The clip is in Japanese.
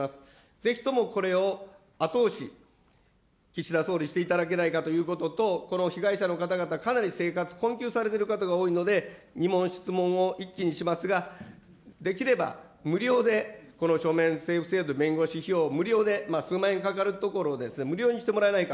ぜひともこれを後押し、岸田総理していただけないかということと、この被害者の方々、かなり生活困窮されてる方が多いので、２問質問を一気にしますが、できれば無料でこの書面送付制度、弁護士費用を無料で、数万円かかるところをです、無料にしてもらえないか。